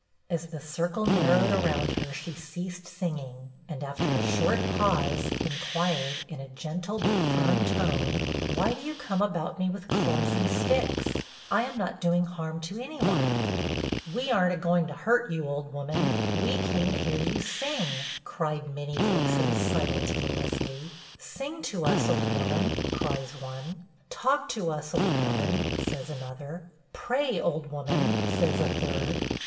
As the circle narrowed around her, she ceased singing, and after a short pause, inquired, in a gentle but firm tone, 'Why do you come about me with clubs and sticks? I am not doing harm to any one.' 'We ar'n't a going to hurt you, old woman; we came to hear you sing,' cried many voices, simultaneously. 'Sing to us, old woman,' cries one. 'Talk to us, old woman,' says another. 'Pray, old woman,' says a third.